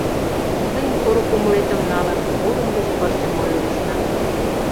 Тыйын поро кумылетым налын, олым гыч пырчым ойырышна.